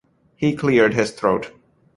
He cleared his throat.